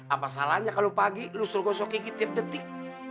apa salahnya kalo pagi lo suruh gosok gigi tiap detik